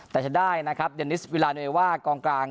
แต่จะได้นะครับเดนิสวิลาเนว่ากองกลาง